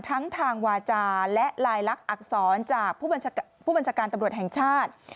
ทั้งทางวาจาและลายลักษณ์อักษรจากผู้บัญชาการตำรวจแห่งชาติ